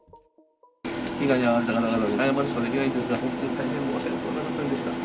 被害に遭われた方々に謝るしかできないんですが、本当に大変申し訳ございませんでした。